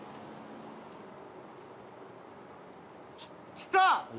きた！